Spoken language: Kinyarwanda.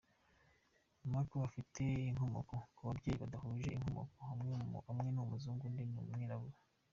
Markel afite inkomoka ku babyeyi badahuje inkomoko, umwe ni umuzungu undi ni umwirabura.